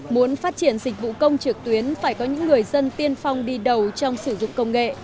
muốn phát triển dịch vụ công trực tuyến phải có những người dân tiên phong đi đầu trong sử dụng công nghệ